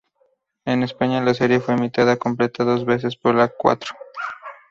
En España la serie fue emitida completa, dos veces, por la Cuatro.